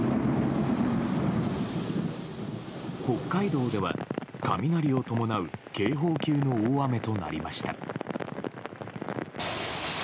北海道では雷を伴う警報級の大雨となりました。